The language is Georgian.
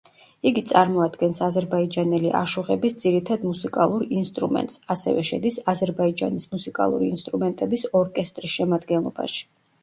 იგი წარმოადგენს აზერბაიჯანელი აშუღების ძირითად მუსიკალურ ინსტრუმენტს, ასევე შედის აზერბაიჯანის მუსიკალური ინსტრუმენტების ორკესტრის შემადგენლობაში.